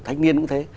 thách nhiên cũng thế